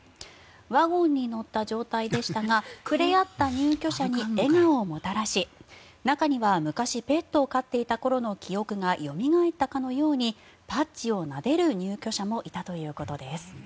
ワゴンに乗った状態でしたが触れ合った入居者に笑顔をもたらし中には昔ペットを飼っていた頃の記憶がよみがえったかのようにパッチをなでる入居者もいたということです。